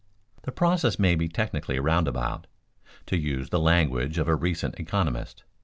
The process may be technically roundabout, to use the language of recent economists.